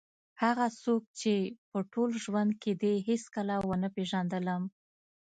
هغه څوک چې په ټول ژوند کې دې هېڅکله ونه پېژندلم.